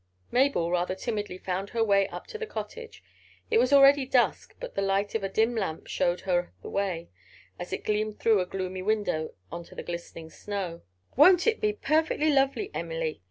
Mabel rather timidly found her way up to the cottage. It was already dusk, but the light of a dim lamp showed her the way, as it gleamed through a gloomy window, onto the glistening snow. "Won't it be perfectly lovely, Emily?"